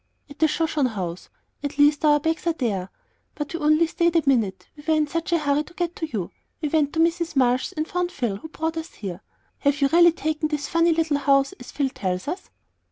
"At the Shoshone House, at least our bags are there; but we only stayed a minute, we were in such a hurry to get to you. We went to Mrs. Marsh's and found Phil, who brought us here. Have you really taken this funny little house, as Phil tells us?"